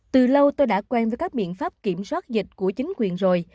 từ lâu tôi đã quen với các biện pháp kiểm soát dịch của chính quyền rồi